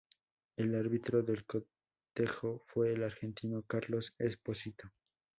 El árbitro del cotejo fue el argentino Carlos Espósito.